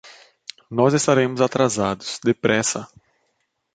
Nós estaremos atrasados, depressa.